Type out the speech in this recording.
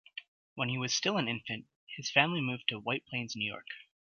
When he was still an infant, his family moved to White Plains, New York.